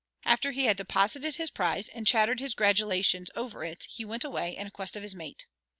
After he had deposited his prize and chattered his gratulations over it he went away in quest of his mate.